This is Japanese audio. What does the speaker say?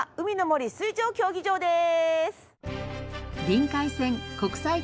森水上競技場です。